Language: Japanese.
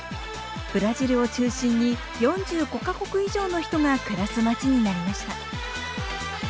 ブラジルを中心に４５か国以上の人が暮らす町になりました。